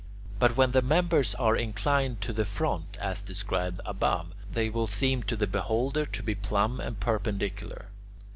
But when the members are inclined to the front, as described above, they will seem to the beholder to be plumb and perpendicular.